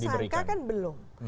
karena tersangka kan belum